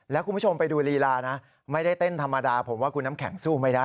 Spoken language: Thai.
แล้วคุณผู้ชมไปดูลีลานะไม่ได้เต้นธรรมดาผมว่าคุณน้ำแข็งสู้ไม่ได้